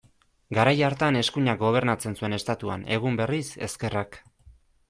Garai hartan eskuinak gobernatzen zuen Estatuan, egun berriz, ezkerrak.